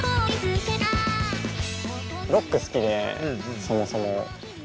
ロック好きでそもそも。